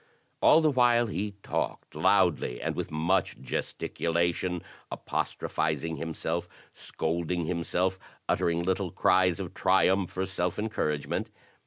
All the while he talked loudly and with much gesticula tion, apostrophizing himself, scolding himself, uttering little cries of triumph or self encouragement.